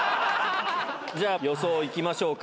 じゃあ予想いきましょうか。